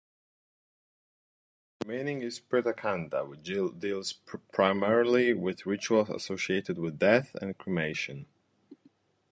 The remaining is "Pretakhanda", which deals primarily with rituals associated with death and cremation.